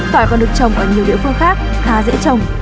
quả còn được trồng ở nhiều địa phương khác khá dễ trồng